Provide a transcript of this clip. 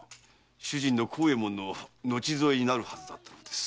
主人の幸右衛門の後添えになるはずだったのです。